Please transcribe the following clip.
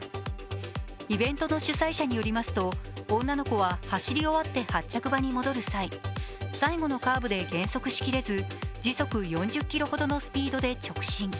イベントの主催者によりますと女の子は走り終わって発着場に戻る際、最後のカーブで減速しきれず、時速４０キロのスピードで直進。